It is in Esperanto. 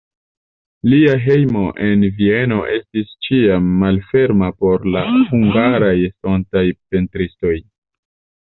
Lia hejmo en Vieno estis ĉiam malferma por la hungaraj estontaj pentristoj.